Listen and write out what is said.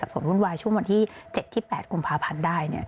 ศักดิ์ส่วนรุ่นวายช่วงวันที่๗ที่๘กุมภาพันธ์ได้